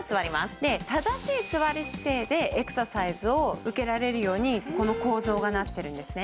正しい座り姿勢でエクササイズを受けられるようにこの構造がなっているんですね。